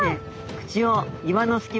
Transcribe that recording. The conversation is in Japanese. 口を岩の隙間に。